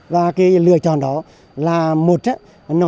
và lựa chọn đó